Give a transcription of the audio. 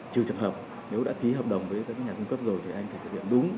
trừ trường hợp nếu đã thí hợp đồng với các nhà cung cấp rồi thì anh phải trở thành đúng